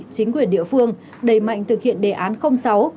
chính quyền địa phương đẩy mạnh thực hiện đề án sáu